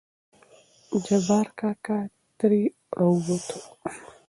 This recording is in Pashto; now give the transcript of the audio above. جبار کاکا ترې راووتو.